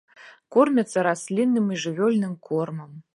Кормяцца раслінным і жывёльным кормам.